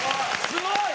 すごーい！